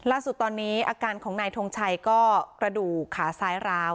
ล่าสุดตอนนี้อาการของนายทงชัยก็กระดูกขาซ้ายร้าว